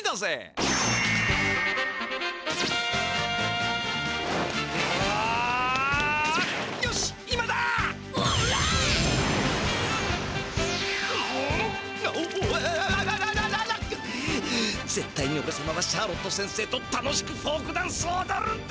ううっぜったいにおれさまはシャーロット先生と楽しくフォークダンスをおどるんだ！